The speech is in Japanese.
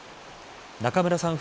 中村さん